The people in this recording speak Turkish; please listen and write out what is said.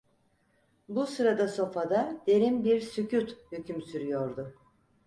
Bu sırada sofada derin bir sükût hüküm sürüyordu.